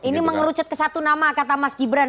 ini mengerucut ke satu nama kata mas gibran